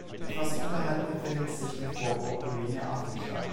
Etwas unterhalb befindet sich die Vorburg-Ruine Affenstein.